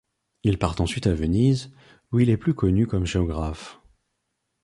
Il part ensuite à Venise, où il est plus connu comme géographe.